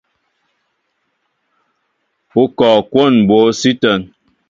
U kɔɔ kwón mbǒ sʉ́ ítə́ŋ?